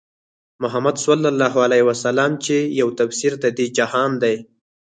محمدص چې يو تفسير د دې جهان دی